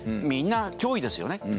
みんな脅威ですよね。